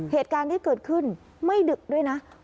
เหตุการณ์ที่เกิดขึ้นไม่ดึกด้วยนะ